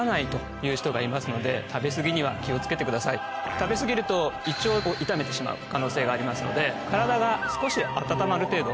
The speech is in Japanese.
食べ過ぎると胃腸を痛めてしまう可能性がありますので体が少し温まる程度。